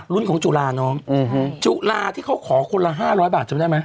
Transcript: ของจุฬาน้องจุลาที่เขาขอคนละ๕๐๐บาทจำได้ไหม